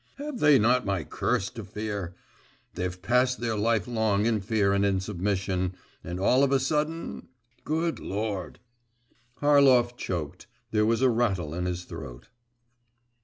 Have they not my curse to fear? They've passed their life long in fear and in submission and all of a sudden … Good Lord!' Harlov choked, there was a rattle in his throat.